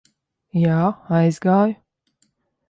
Jā, aizgāju.